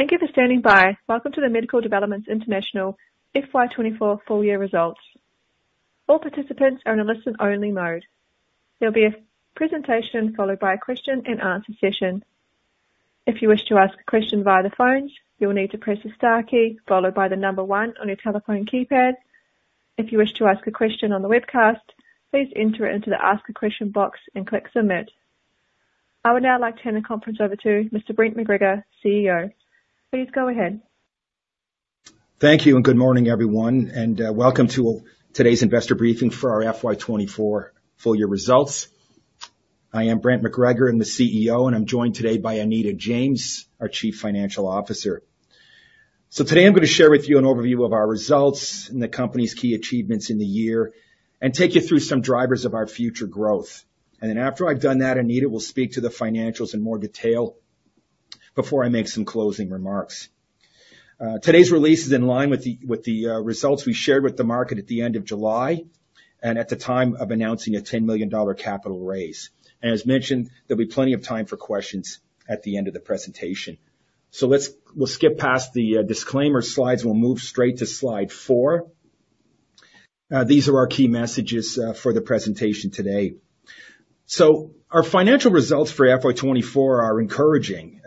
Thank you for standing by. Welcome to the Medical Developments International FY 2024 full year results. All participants are in a listen-only mode. There'll be a presentation followed by a question and answer session. If you wish to ask a question via the phones, you'll need to press the star key followed by one on your telephone keypad. If you wish to ask a question on the webcast, please enter it into the ask a question box and click submit. I would now like to turn the conference over to Mr. Brent MacGregor, CEO. Please go ahead. Thank you, good morning, everyone, welcome to today's investor briefing for our FY 2024 full year results. I am Brent MacGregor, I'm the CEO, and I'm joined today by Anita James, our Chief Financial Officer. Today I'm going to share with you an overview of our results and the company's key achievements in the year, and take you through some drivers of our future growth. Then after I've done that, Anita will speak to the financials in more detail before I make some closing remarks. Today's release is in line with the results we shared with the market at the end of July, and at the time of announcing an 10 million dollar capital raise. As mentioned, there'll be plenty of time for questions at the end of the presentation. We'll skip past the disclaimer slides. We'll move straight to Slide Four. These are our key messages for the presentation today. Our financial results for FY 2024 are encouraging.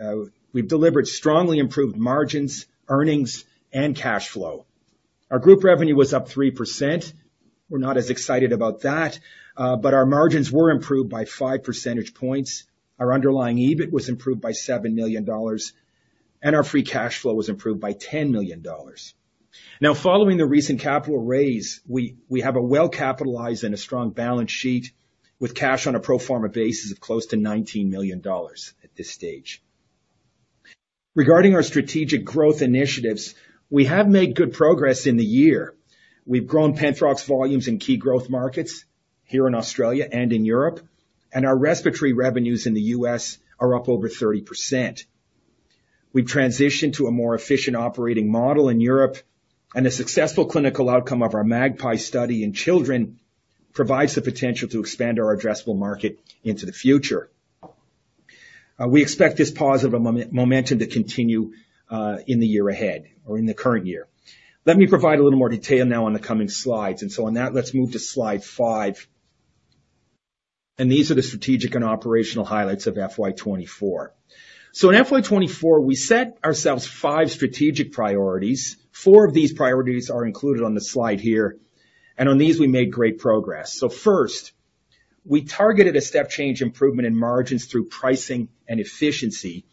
We've delivered strongly improved margins, earnings, and cash flow. Our group revenue was up 3%. We're not as excited about that, our margins were improved by 5 percentage points. Our underlying EBIT was improved by 7 million dollars, our free cash flow was improved by 10 million dollars. Following the recent capital raise, we, we have a well-capitalized and a strong balance sheet with cash on a pro forma basis of close to 19 million dollars at this stage. Regarding our strategic growth initiatives, we have made good progress in the year. We've grown Penthrox volumes in key growth markets here in Australia and in Europe, our respiratory revenues in the U.S. are up over 30%. We've transitioned to a more efficient operating model in Europe, and the successful clinical outcome of our MAGPIE study in children provides the potential to expand our addressable market into the future. We expect this positive momentum to continue in the year ahead or in the current year. Let me provide a little more detail now on the coming slides. On that, let's move to Slide Five. These are the strategic and operational highlights of FY 2024. In FY 2024, we set ourselves five strategic priorities. Four of these priorities are included on the slide here, and on these we made great progress. First, we targeted a step change improvement in margins through pricing and efficiency,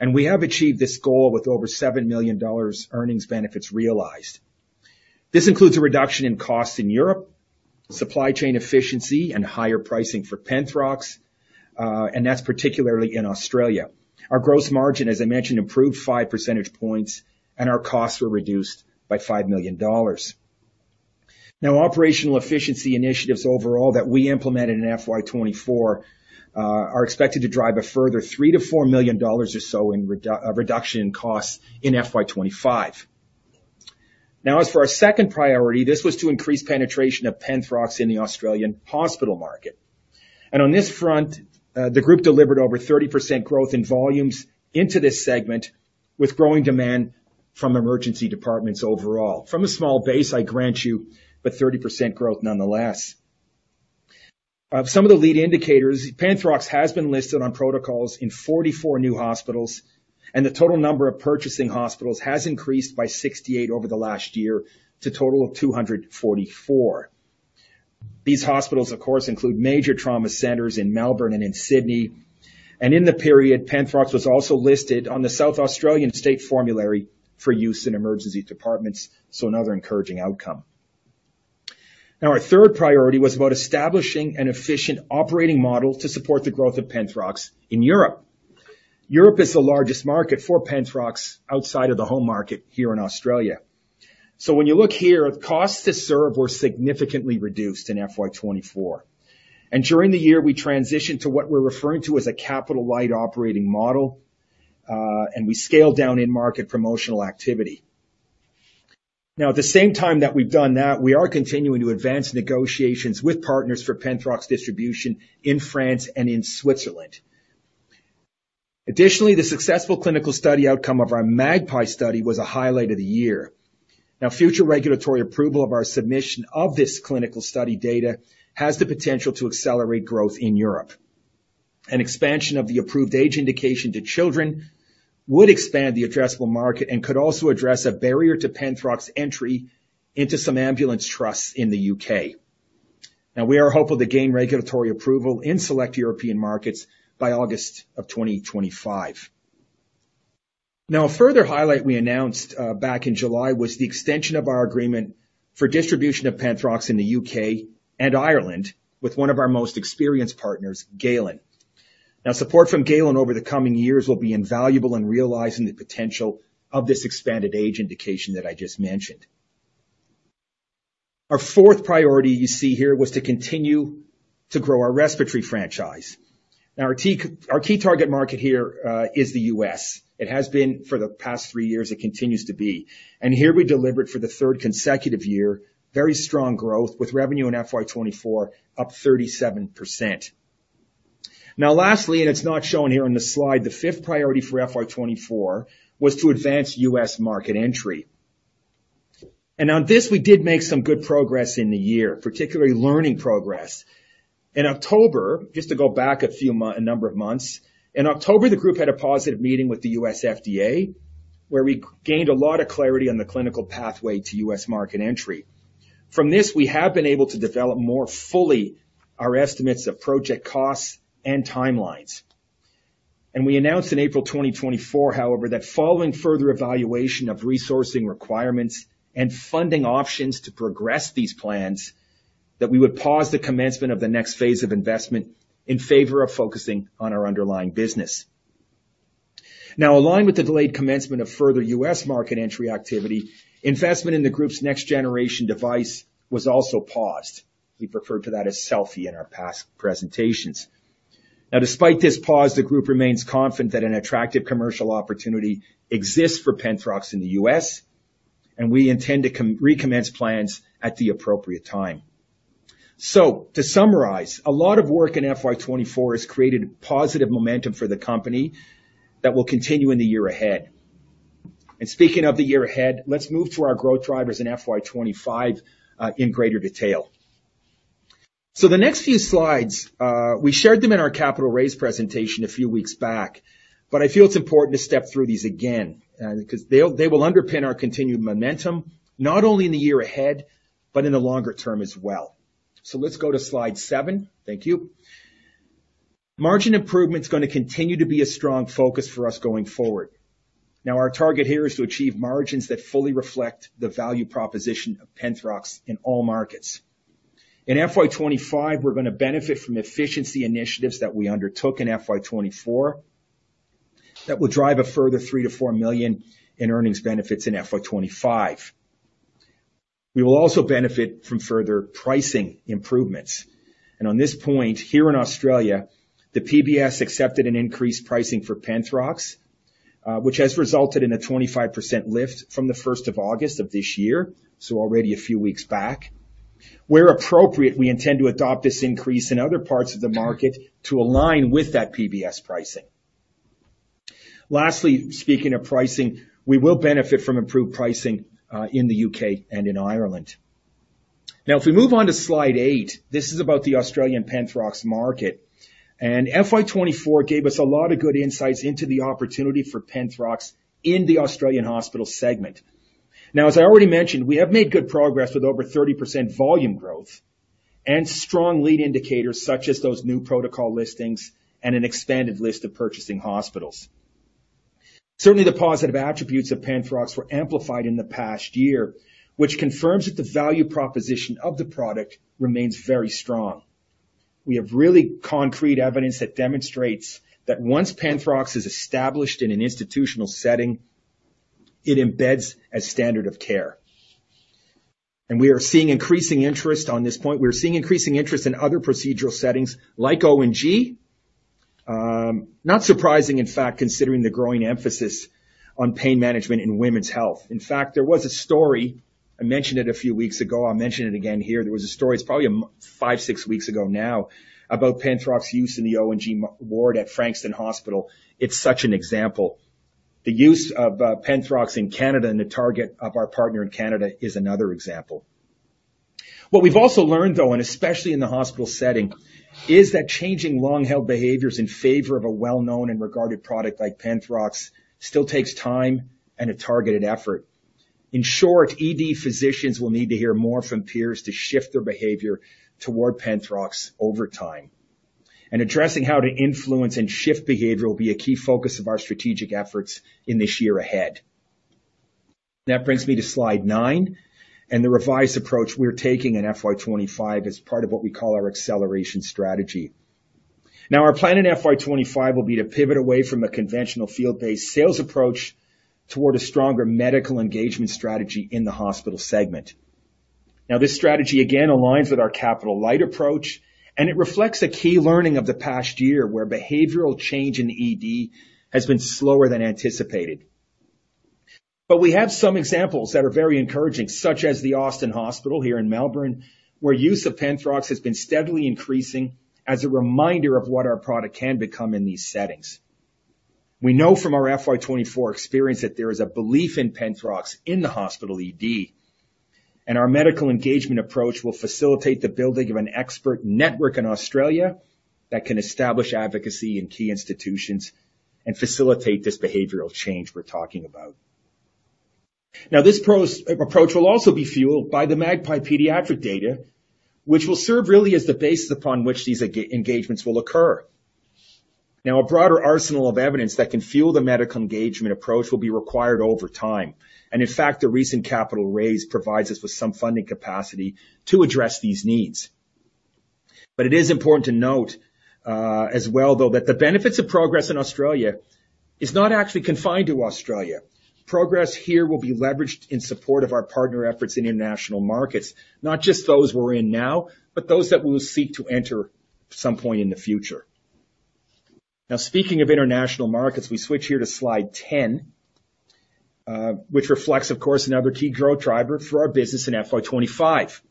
and we have achieved this goal with over 7 million dollars earnings benefits realized. This includes a reduction in costs in Europe, supply chain efficiency and higher pricing for Penthrox, and that's particularly in Australia. Our gross margin, as I mentioned, improved 5 percentage points, and our costs were reduced by 5 million dollars. Now, operational efficiency initiatives overall that we implemented in FY 2024 are expected to drive a further 3 million-4 million dollars or so in a reduction in costs in FY 2025. Now, as for our second priority, this was to increase penetration of Penthrox in the Australian hospital market. And on this front, the group delivered over 30% growth in volumes into this segment, with growing demand from emergency departments overall. From a small base, I grant you, but 30% growth nonetheless. Some of the lead indicators, Penthrox has been listed on protocols in 44 new hospitals, and the total number of purchasing hospitals has increased by 68 over the last year to a total of 244. These hospitals, of course, include major trauma centers in Melbourne and in Sydney, and in the period, Penthrox was also listed on the South Australian Medicines Formulary for use in emergency departments. Another encouraging outcome. Our third priority was about establishing an efficient operating model to support the growth of Penthrox in Europe. Europe is the largest market for Penthrox outside of the home market here in Australia. When you look here, costs to serve were significantly reduced in FY 2024, and during the year, we transitioned to what we're referring to as a capital-light operating model, and we scaled down in-market promotional activity. At the same time that we've done that, we are continuing to advance negotiations with partners for Penthrox distribution in France and in Switzerland. Additionally, the successful clinical study outcome of our MAGPIE study was a highlight of the year. Future regulatory approval of our submission of this clinical study data has the potential to accelerate growth in Europe. An expansion of the approved age indication to children would expand the addressable market and could also address a barrier to Penthrox's entry into some ambulance trusts in the U.K. We are hopeful to gain regulatory approval in select European markets by August of 2025. A further highlight we announced back in July, was the extension of our agreement for distribution of Penthrox in the U.K. and Ireland with one of our most experienced partners, Galen. Support from Galen over the coming years will be invaluable in realizing the potential of this expanded age indication that I just mentioned. Our fourth priority you see here, was to continue to grow our respiratory franchise. Our key, our key target market here, is the U.S. It has been for the past three years, it continues to be. Here we delivered for the third consecutive year, very strong growth with revenue in FY 2024 up 37%. Lastly, and it's not shown here on the slide, the fifth priority for FY 2024 was to advance U.S. market entry. On this, we did make some good progress in the year, particularly learning progress. In October, just to go back a few months, a number of months. In October, the group had a positive meeting with the U.S. FDA, where we gained a lot of clarity on the clinical pathway to U.S. market entry. From this, we have been able to develop more fully our estimates of project costs and timelines. We announced in April 2024, however, that following further evaluation of resourcing requirements and funding options to progress these plans, that we would pause the commencement of the next phase of investment in favor of focusing on our underlying business. Now, aligned with the delayed commencement of further U.S. market entry activity, investment in the group's next-generation device was also paused. We referred to that as Selfie in our past presentations. Now, despite this pause, the group remains confident that an attractive commercial opportunity exists for Penthrox in the U.S., and we intend to recommence plans at the appropriate time. To summarize, a lot of work in FY 2024 has created positive momentum for the company that will continue in the year ahead. Speaking of the year ahead, let's move to our growth drivers in FY 2025 in greater detail. The next few slides, we shared them in our capital raise presentation a few weeks back, but I feel it's important to step through these again because they will underpin our continued momentum, not only in the year ahead, but in the longer term as well. Let's go to Slide Seven. Thank you. Margin improvement is going to continue to be a strong focus for us going forward. Now, our target here is to achieve margins that fully reflect the value proposition of Penthrox in all markets. In FY 2025, we're going to benefit from efficiency initiatives that we undertook in FY 2024. That will drive a further 3 million-4 million in earnings benefits in FY 2025. We will also benefit from further pricing improvements. On this point, here in Australia, the PBS accepted an increased pricing for Penthrox, which has resulted in a 25% lift from the 1st of August of this year, so already a few weeks back. Where appropriate, we intend to adopt this increase in other parts of the market to align with that PBS pricing. Lastly, speaking of pricing, we will benefit from improved pricing in the U.K. and in Ireland. If we move on to Slide Eight, this is about the Australian Penthrox market, and FY 2024 gave us a lot of good insights into the opportunity for Penthrox in the Australian hospital segment. As I already mentioned, we have made good progress with over 30% volume growth and strong lead indicators, such as those new protocol listings and an expanded list of purchasing hospitals. Certainly, the positive attributes of Penthrox were amplified in the past year, which confirms that the value proposition of the product remains very strong. We have really concrete evidence that demonstrates that once Penthrox is established in an institutional setting, it embeds as standard of care. We are seeing increasing interest on this point. We're seeing increasing interest in other procedural settings like O&G. Not surprising, in fact, considering the growing emphasis on pain management in women's health. In fact, there was a story, I mentioned it a few weeks ago. I'll mention it again here. There was a story, it's probably five, six weeks ago now, about Penthrox's use in the O&G ward at Frankston Hospital. It's such an example. The use of Penthrox in Canada, and the target of our partner in Canada, is another example. What we've also learned, though, and especially in the hospital setting, is that changing long-held behaviors in favor of a well-known and regarded product like Penthrox still takes time and a targeted effort. In short, ED physicians will need to hear more from peers to shift their behavior toward Penthrox over time. Addressing how to influence and shift behavior will be a key focus of our strategic efforts in this year ahead. That brings me to slide nine and the revised approach we're taking in FY 2025 as part of what we call our acceleration strategy. Now, our plan in FY 2025 will be to pivot away from a conventional field-based sales approach toward a stronger medical engagement strategy in the hospital segment. Now, this strategy, again, aligns with our capital-light approach, and it reflects a key learning of the past year, where behavioral change in ED has been slower than anticipated. We have some examples that are very encouraging, such as the Austin Hospital here in Melbourne, where use of Penthrox has been steadily increasing as a reminder of what our product can become in these settings. We know from our FY 2024 experience that there is a belief in Penthrox in the hospital ED, and our medical engagement approach will facilitate the building of an expert network in Australia that can establish advocacy in key institutions and facilitate this behavioral change we're talking about. Now, this approach will also be fueled by the MAGPIE pediatric data, which will serve really as the basis upon which these engagements will occur. A broader arsenal of evidence that can fuel the medical engagement approach will be required over time, in fact, the recent capital raise provides us with some funding capacity to address these needs. It is important to note, as well, though, that the benefits of progress in Australia is not actually confined to Australia. Progress here will be leveraged in support of our partner efforts in international markets, not just those we're in now, but those that we will seek to enter some point in the future. Speaking of international markets, we switch here to Slide 10, which reflects, of course, another key growth driver for our business in FY 2025.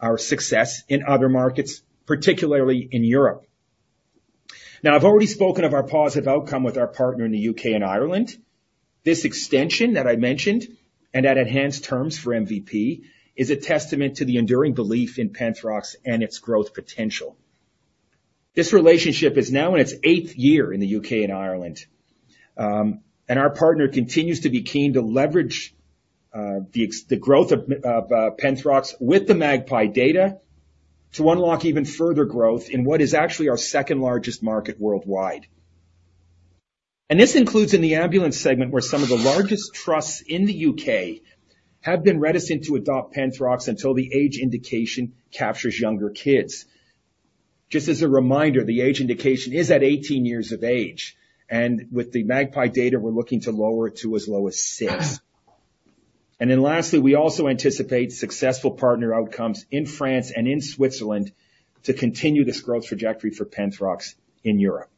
Our success in other markets, particularly in Europe. I've already spoken of our positive outcome with our partner in the U.K. and Ireland. This extension that I mentioned, and at enhanced terms for MVP, is a testament to the enduring belief in Penthrox and its growth potential. This relationship is now in its eighth year in the U.K. and Ireland, and our partner continues to be keen to leverage the growth of Penthrox with the MAGPIE data, to unlock even further growth in what is actually our second-largest market worldwide. This includes in the ambulance segment, where some of the largest trusts in the U.K. have been reticent to adopt Penthrox until the age indication captures younger kids. Just as a reminder, the age indication is at 18 years of age, and with the MAGPIE data, we're looking to lower it to as low as 6. Lastly, we also anticipate successful partner outcomes in France and in Switzerland to continue this growth trajectory for Penthrox in Europe.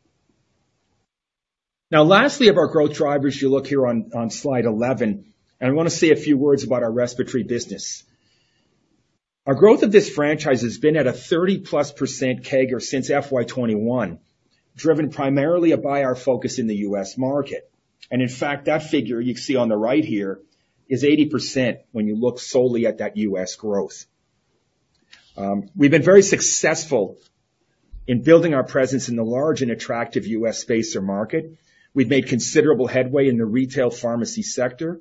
Lastly, of our growth drivers, you look here on, on Slide 11, and I want to say a few words about our respiratory business. Our growth of this franchise has been at a 30%+ CAGR since FY 2021, driven primarily by our focus in the U.S. market. In fact, that figure you see on the right here is 80% when you look solely at that U.S. growth. We've been very successful in building our presence in the large and attractive U.S. spacer market. We've made considerable headway in the retail pharmacy sector,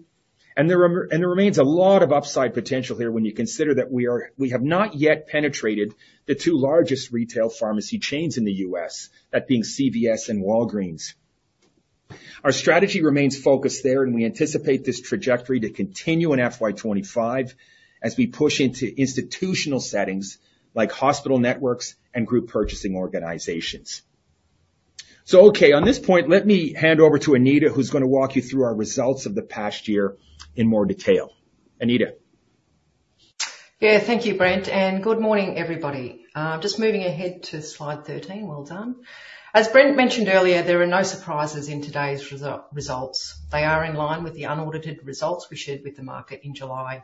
and there remains a lot of upside potential here when you consider that we have not yet penetrated the two largest retail pharmacy chains in the U.S., that being CVS and Walgreens. Our strategy remains focused there, and we anticipate this trajectory to continue in FY 2025 as we push into institutional settings like hospital networks and group purchasing organizations. Okay, on this point, let me hand over to Anita, who's going to walk you through our results of the past year in more detail. Anita? Yeah. Thank you, Brent. Good morning, everybody. Just moving ahead to Slide 13. Well done. As Brent mentioned earlier, there are no surprises in today's results. They are in line with the unaudited results we shared with the market in July,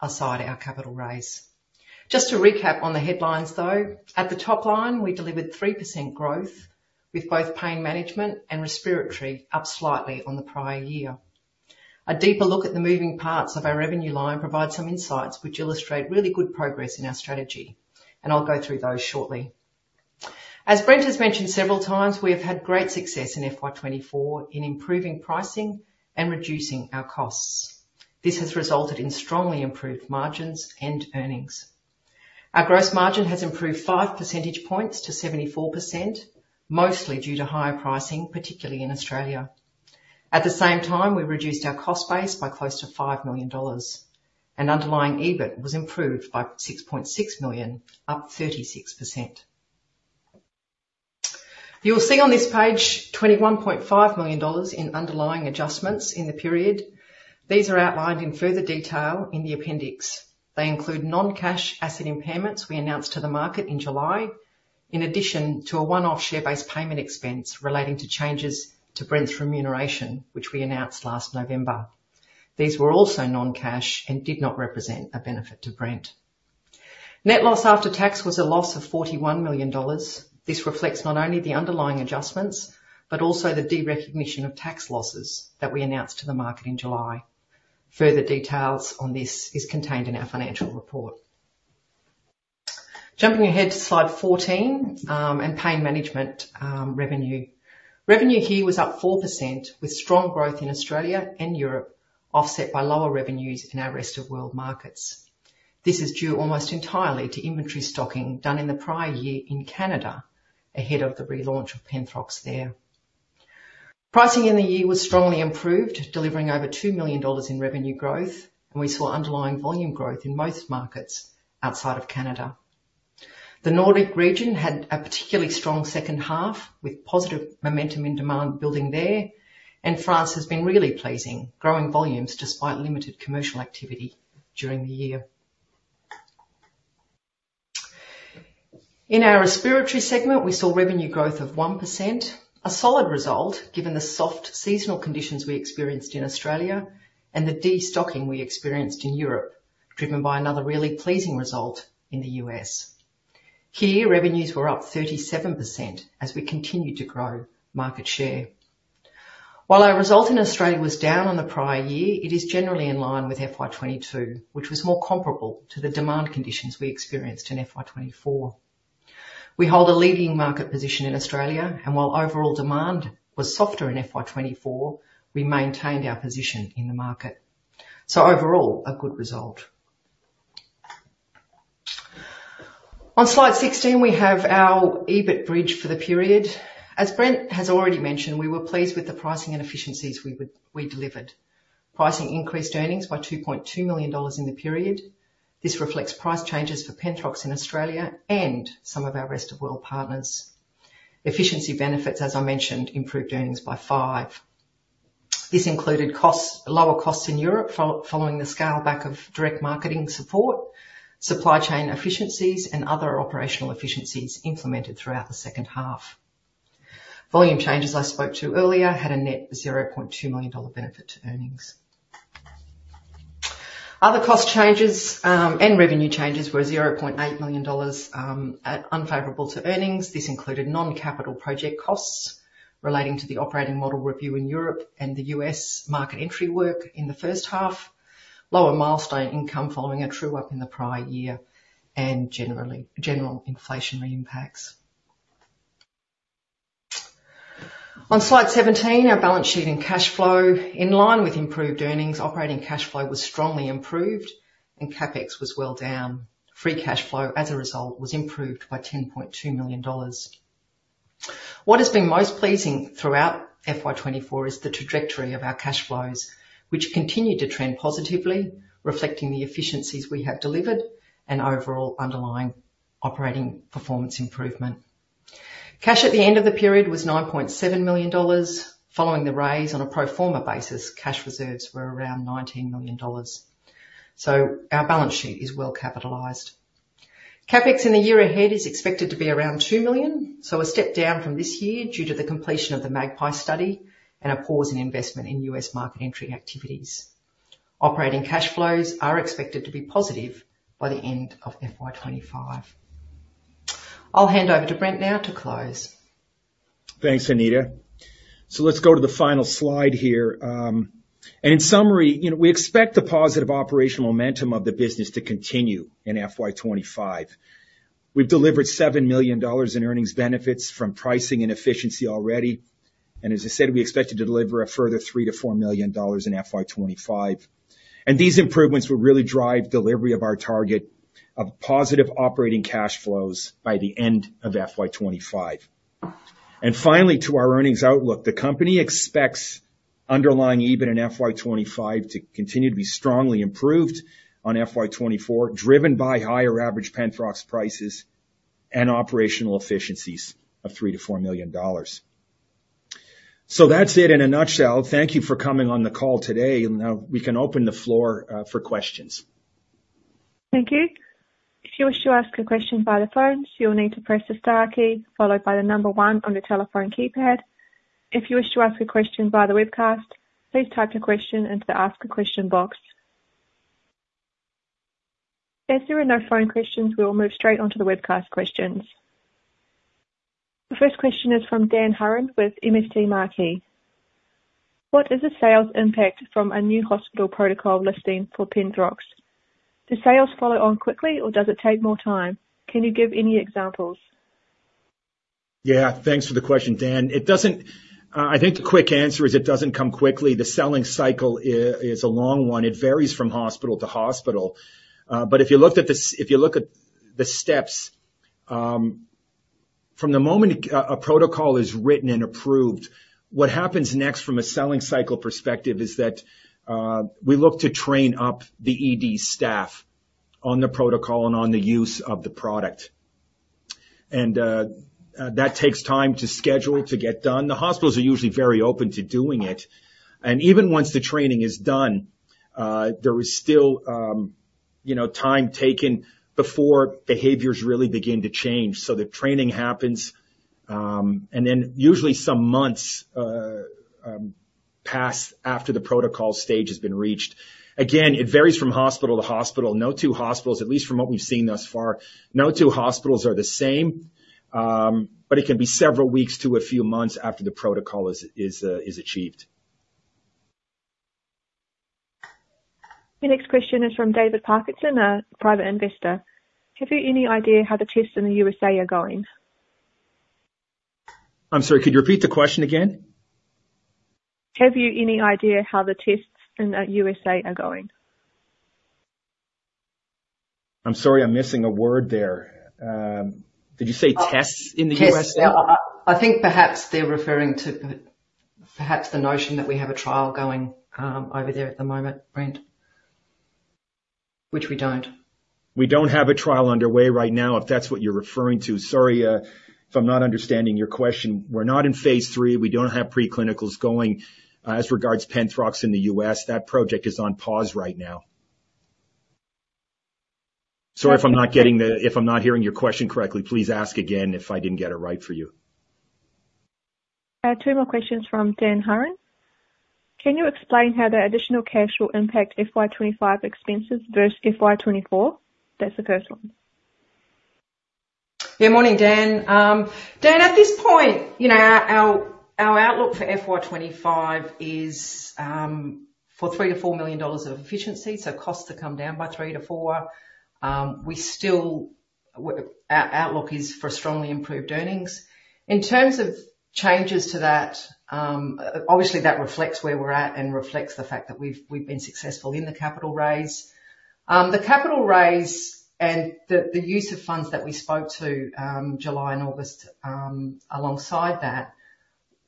aside our capital raise. Just to recap on the headlines, though. At the top line, we delivered 3% growth, with both pain management and respiratory up slightly on the prior year. A deeper look at the moving parts of our revenue line provides some insights which illustrate really good progress in our strategy, and I'll go through those shortly. As Brent has mentioned several times, we have had great success in FY 2024 in improving pricing and reducing our costs. This has resulted in strongly improved margins and earnings. Our gross margin has improved 5 percentage points to 74%, mostly due to higher pricing, particularly in Australia. At the same time, we reduced our cost base by close to 5 million dollars, and underlying EBIT was improved by 6.6 million, up 36%. You will see on this page 21.5 million dollars in underlying adjustments in the period. These are outlined in further detail in the appendix. They include non-cash asset impairments we announced to the market in July, in addition to a one-off share-based payment expense relating to changes to Brent's remuneration, which we announced last November. These were also non-cash and did not represent a benefit to Brent. Net loss after tax was a loss of 41 million dollars. This reflects not only the underlying adjustments, but also the derecognition of tax losses that we announced to the market in July. Further details on this is contained in our financial report. Jumping ahead to Slide 14, and pain management revenue. Revenue here was up 4%, with strong growth in Australia and Europe, offset by lower revenues in our rest of world markets. This is due almost entirely to inventory stocking done in the prior year in Canada, ahead of the relaunch of Penthrox there. Pricing in the year was strongly improved, delivering over 2 million dollars in revenue growth, and we saw underlying volume growth in most markets outside of Canada. The Nordic region had a particularly strong second half, with positive momentum and demand building there, and France has been really pleasing, growing volumes despite limited commercial activity during the year. In our respiratory segment, we saw revenue growth of 1%, a solid result given the soft seasonal conditions we experienced in Australia and the destocking we experienced in Europe, driven by another really pleasing result in the U.S. Here, revenues were up 37% as we continued to grow market share. While our result in Australia was down on the prior year, it is generally in line with FY 2022, which was more comparable to the demand conditions we experienced in FY 2024. We hold a leading market position in Australia, and while overall demand was softer in FY 2024, we maintained our position in the market. Overall, a good result. On Slide 16, we have our EBIT bridge for the period. As Brent has already mentioned, we were pleased with the pricing and efficiencies we delivered. Pricing increased earnings by 2.2 million dollars in the period. This reflects price changes for Penthrox in Australia and some of our rest of world partners. Efficiency benefits, as I mentioned, improved earnings by 5 million. This included costs, lower costs in Europe following the scale back of direct marketing support, supply chain efficiencies, and other operational efficiencies implemented throughout the second half. Volume changes I spoke to earlier had a net 0.2 million dollar benefit to earnings. Other cost changes and revenue changes were 0.8 million dollars at unfavorable to earnings. This included non-capital project costs relating to the operating model review in Europe and the U.S. market entry work in the first half, lower milestone income following a true-up in the prior year, and generally, general inflationary impacts. On Slide 17, our balance sheet and cash flow. In line with improved earnings, operating cash flow was strongly improved and CapEx was well down. Free cash flow, as a result, was improved by 10.2 million dollars. What has been most pleasing throughout FY 2024 is the trajectory of our cash flows, which continue to trend positively, reflecting the efficiencies we have delivered and overall underlying operating performance improvement. Cash at the end of the period was 9.7 million dollars. Following the raise on a pro forma basis, cash reserves were around 19 million dollars. Our balance sheet is well capitalized. CapEx in the year ahead is expected to be around 2 million, so a step down from this year due to the completion of the MAGPIE study and a pause in investment in U.S. market entry activities. Operating cash flows are expected to be positive by the end of FY 2025. I'll hand over to Brent now to close. Thanks, Anita. Let's go to the final slide here. In summary, you know, we expect the positive operational momentum of the business to continue in FY 2025. We've delivered 7 million dollars in earnings benefits from pricing and efficiency already, and as I said, we expect to deliver a further 3 million-4 million dollars in FY 2025. These improvements will really drive delivery of our target of positive operating cash flows by the end of FY 2025. Finally, to our earnings outlook. The company expects underlying EBIT in FY 2025 to continue to be strongly improved on FY 2024, driven by higher average Penthrox prices and operational efficiencies of 3 million-4 million dollars. That's it in a nutshell. Thank you for coming on the call today, and now we can open the floor for questions. Thank you. If you wish to ask a question via the phone, you'll need to press the star key followed by the number one on your telephone keypad. If you wish to ask a question via the webcast, please type your question into the Ask a Question box. As there are no phone questions, we will move straight onto the webcast questions. The first question is from Dan Hurren with MST Marquee. What is the sales impact from a new hospital protocol listing for Penthrox? Do sales follow on quickly or does it take more time? Can you give any examples? Yeah, thanks for the question, Dan. It, I think the quick answer is it doesn't come quickly. The selling cycle is, is a long one. It varies from hospital to hospital. If you looked at the if you look at the steps, from the moment a protocol is written and approved, what happens next from a selling cycle perspective is that we look to train up the ED staff on the protocol and on the use of the product. That takes time to schedule, to get done. The hospitals are usually very open to doing it, even once the training is done, there is still, you know, time taken before behaviors really begin to change. The training happens, then usually some months pass after the protocol stage has been reached. Again, it varies from hospital to hospital. No two hospitals, at least from what we've seen thus far, no two hospitals are the same. It can be several weeks to a few months after the protocol is, is, is achieved. The next question is from David Parkinson, a private investor. Have you any idea how the tests in the USA are going? I'm sorry, could you repeat the question again? Have you any idea how the tests in USA are going? I'm sorry, I'm missing a word there. Did you say tests in the USA? Tests. I, I think perhaps they're referring to perhaps the notion that we have a trial going over there at the moment, Brent, which we don't. We don't have a trial underway right now, if that's what you're referring to. Sorry, if I'm not understanding your question. We're not in phase III. We don't have pre-clinicals going. As regards Penthrox in the U.S., that project is on pause right now. Sorry if I'm not getting if I'm not hearing your question correctly. Please ask again if I didn't get it right for you. I have two more questions from Dan Hurren. Can you explain how the additional cash will impact FY 2025 expenses versus FY 2024? That's the first one. Yeah. Morning, Dan. Dan, at this point, you know, our, our, our outlook for FY 2025 is for 3 million-4 million dollars of efficiency, so costs to come down by 3%-4%. We still, our outlook is for strongly improved earnings. In terms of changes to that, obviously, that reflects where we're at and reflects the fact that we've, we've been successful in the capital raise. The capital raise and the, the use of funds that we spoke to, July and August, alongside that,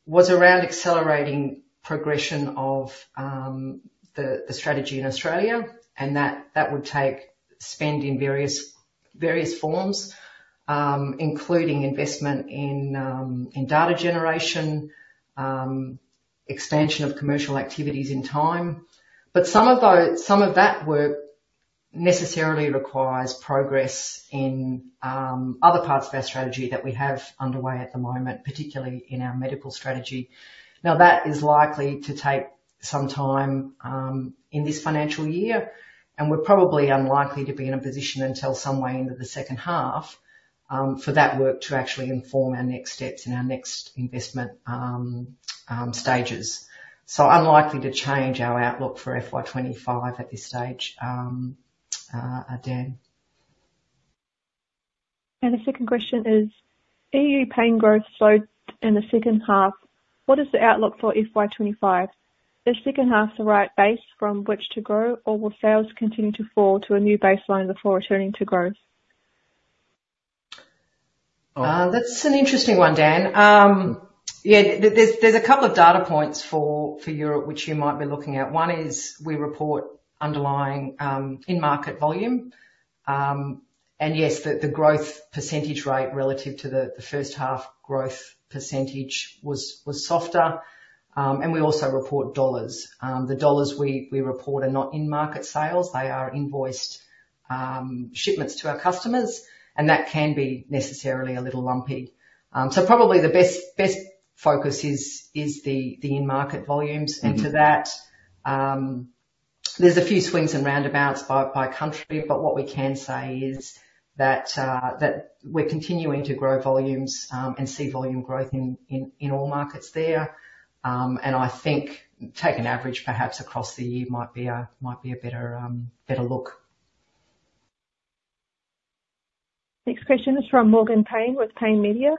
was around accelerating progression of the strategy in Australia, and that, that would take spend in various, various forms, including investment in data generation, expansion of commercial activities in time. But some of that work, necessarily requires progress in other parts of our strategy that we have underway at the moment, particularly in our medical strategy. That is likely to take some time in this financial year, and we're probably unlikely to be in a position until somewhere into the second half for that work to actually inform our next steps and our next investment stages. Unlikely to change our outlook for FY 2025 at this stage, Dan. The second question is, EU pain growth slowed in the second half. What is the outlook for FY 2025? Is second half the right base from which to grow, or will sales continue to fall to a new baseline before returning to growth? That's an interesting one, Dan. Yeah, there's a couple of data points for Europe, which you might be looking at. One is, we report underlying in-market volume. Yes, the growth % rate relative to the first half growth percentage was softer. We also report Australian dollars. The Australian dollars we report are not in-market sales. They are invoiced shipments to our customers, and that can be necessarily a little lumpy. Probably the best focus is the in-market volumes. Mm-hmm. To that, there's a few swings and roundabouts by, by country, but what we can say is that, that we're continuing to grow volumes, and see volume growth in, in, in all markets there. I think take an average, perhaps, across the year might be a, might be a better, better look. Next question is from Morgan Payne with Payne Media.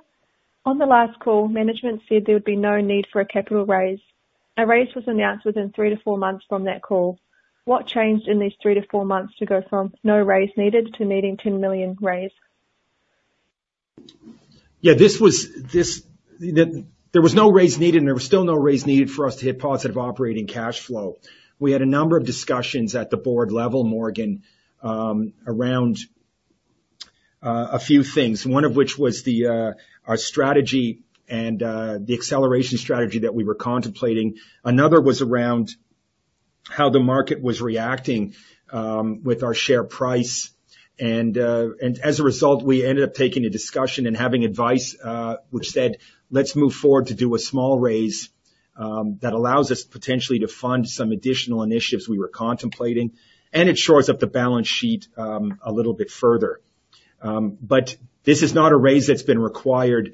On the last call, management said there would be no need for a capital raise. A raise was announced within three to four months from that call. What changed in these three to four months to go from no raise needed to needing 10 million raise? Yeah, this was. There was no raise needed, and there was still no raise needed for us to hit positive operating cash flow. We had a number of discussions at the board level, Morgan Payne, around a few things, one of which was the our strategy and the acceleration strategy that we were contemplating. Another was around how the market was reacting with our share price, and as a result, we ended up taking a discussion and having advice, which said, let's move forward to do a small raise that allows us potentially to fund some additional initiatives we were contemplating, and it shores up the balance sheet a little bit further. This is not a raise that's been required,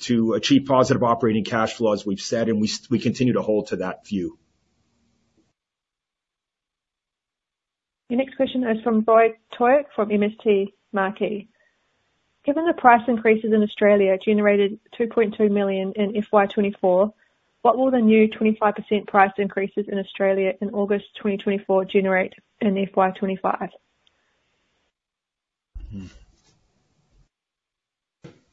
to achieve positive operating cash flow, as we've said, and we continue to hold to that view. The next question is from Roy Taouk from MST Marquee. Given the price increases in Australia generated 2.2 million in FY 2024, what will the new 25% price increases in Australia in August 2024 generate in FY 2025? Hmm.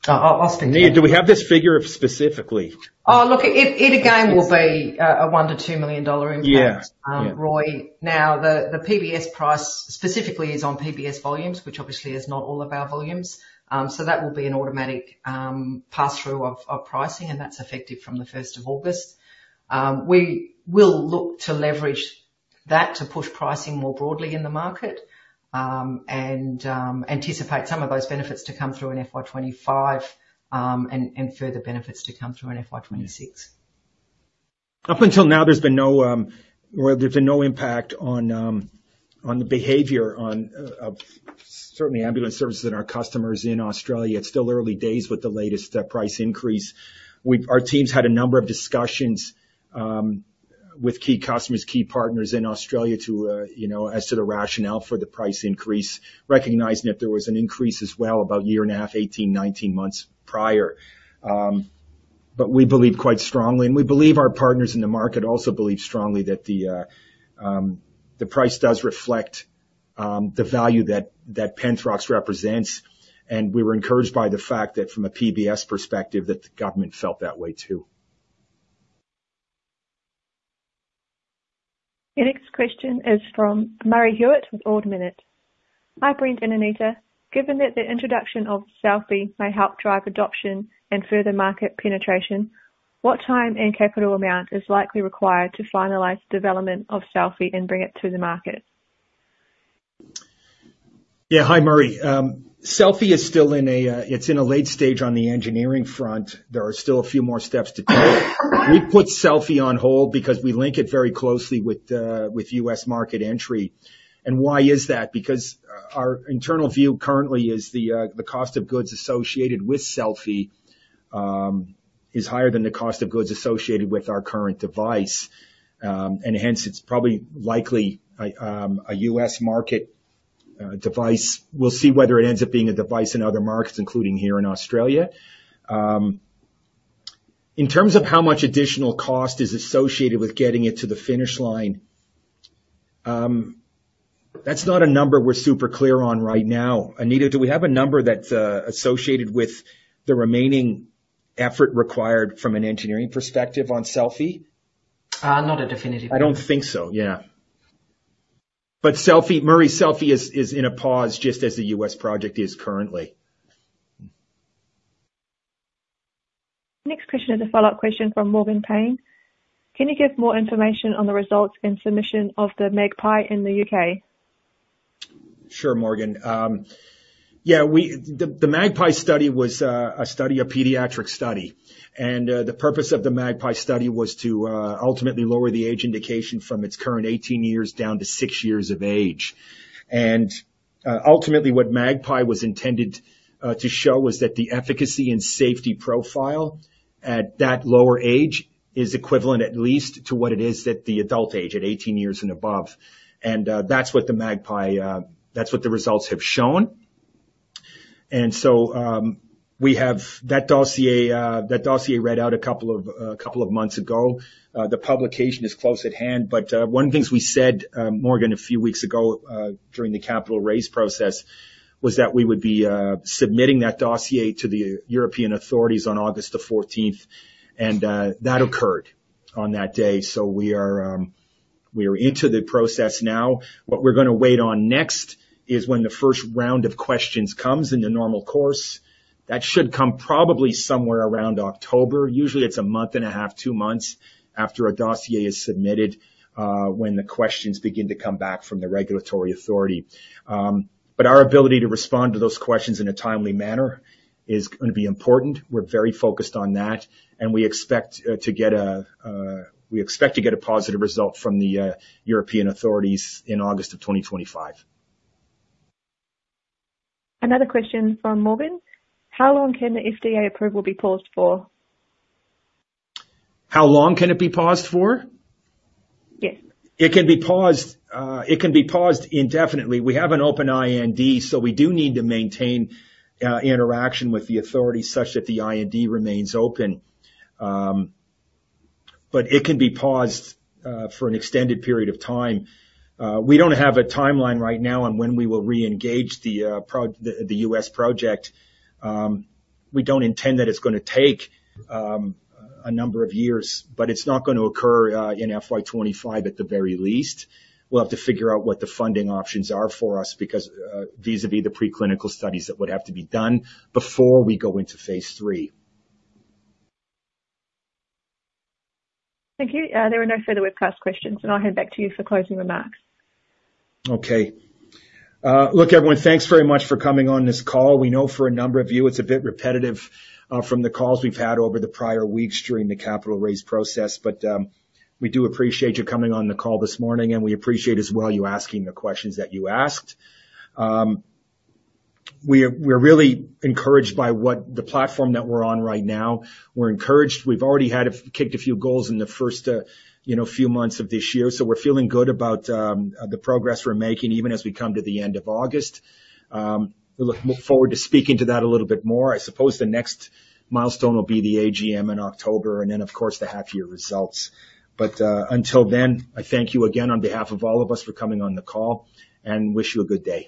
I'll stick. Anita, do we have this figure specifically? Oh, look, it, it again, will be, a 1 million-2 million dollar impact. Yeah. Roy. The PBS price specifically is on PBS volumes, which obviously is not all of our volumes. That will be an automatic pass-through of pricing, and that's effective from the first of August. We will look to leverage that to push pricing more broadly in the market, and anticipate some of those benefits to come through in FY 2025, and further benefits to come through in FY 2026. Up until now, there's been no, well, there's been no impact on, on the behavior on, certainly ambulance services and our customers in Australia. It's still early days with the latest price increase. We've, our teams had a number of discussions with key customers, key partners in Australia, to you know, as to the rationale for the price increase, recognizing that there was an increase as well about a year and a half, 18, 19 months prior. We believe quite strongly, and we believe our partners in the market also believe strongly that the price does reflect the value that, that Penthrox represents, and we were encouraged by the fact that from a PBS perspective, that the government felt that way, too. The next question is from Murray Hewitt with Ord Minnett. Hi, Brent and Anita. Given that the introduction of Selfie may help drive adoption and further market penetration, what time and capital amount is likely required to finalize development of Selfie and bring it to the market? Yeah. Hi, Murray. Selfie is still in a, it's in a late stage on the engineering front. There are still a few more steps to take. We put Selfie on hold because we link it very closely with U.S. market entry. Why is that? Because our internal view currently is the cost of goods associated with Selfie, is higher than the cost of goods associated with our current device. Hence, it's probably likely, a U.S. market device. We'll see whether it ends up being a device in other markets, including here in Australia. In terms of how much additional cost is associated with getting it to the finish line, that's not a number we're super clear on right now. Anita, do we have a number that's associated with the remaining effort required from an engineering perspective on Selfie? Not a definitive one. I don't think so, yeah. Murray, Selfie is in a pause, just as the U.S. project is currently. Next question is a follow-up question from Morgan Payne. Can you give more information on the results and submission of the MAGPIE in the UK? Sure, Morgan. The MAGPIE study was a study, a pediatric study. The purpose of the MAGPIE study was to ultimately lower the age indication from its current 18 years down to six years of age. Ultimately, what MAGPIE was intended to show was that the efficacy and safety profile at that lower age is equivalent, at least, to what it is at the adult age, at 18 years and above. That's what the MAGPIE, that's what the results have shown. So, we have that dossier, that dossier read out a couple of months ago. The publication is close at hand, but one of the things we said, Morgan, a few weeks ago, during the capital raise process, was that we would be submitting that dossier to the European authorities on August 14th, and that occurred on that day. We are into the process now. What we're gonna wait on next is when the first round of questions comes in the normal course. That should come probably somewhere around October. Usually, it's one and half to two months after a dossier is submitted when the questions begin to come back from the regulatory authority. Our ability to respond to those questions in a timely manner is gonna be important. We're very focused on that, we expect to get a positive result from the European authorities in August of 2025. Another question from Morgan, how long can the FDA approval be paused for? How long can it be paused for? Yes. It can be paused, it can be paused indefinitely. We have an open IND, so we do need to maintain interaction with the authority such that the IND remains open. But it can be paused for an extended period of time. We don't have a timeline right now on when we will re-engage the U.S. project. We don't intend that it's gonna take a number of years, but it's not gonna occur in FY 2025, at the very least. We'll have to figure out what the funding options are for us, because these will be the preclinical studies that would have to be done before we go into phase III. Thank you. There are no further with press questions. I'll hand back to you for closing remarks. Okay. Look, everyone, thanks very much for coming on this call. We know for a number of you, it's a bit repetitive, from the calls we've had over the prior weeks during the capital raise process. We do appreciate you coming on the call this morning, and we appreciate as well, you asking the questions that you asked. We're really encouraged by what the platform that we're on right now. We're encouraged. We've already had kicked a few goals in the first, you know, few months of this year, so we're feeling good about the progress we're making, even as we come to the end of August. We look forward to speaking to that a little bit more. I suppose the next milestone will be the AGM in October, and then, of course, the half-year results. Until then, I thank you again on behalf of all of us for coming on the call, and wish you a good day.